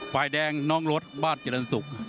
ฝ่ายแดงน้องรถบ้านเจริญศุกร์